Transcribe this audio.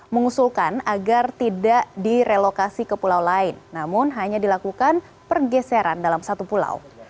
mengusulkan agar tidak direlokasi ke pulau lain namun hanya dilakukan pergeseran dalam satu pulau